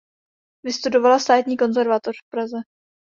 Vystudovala Státní konzervatoř v Praze.